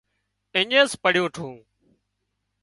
اڃينز پڙِيو ٺو